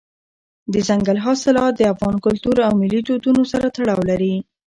دځنګل حاصلات د افغان کلتور او ملي دودونو سره تړاو لري.